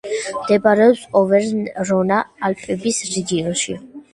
მდებარეობს ოვერნ-რონა-ალპების რეგიონში.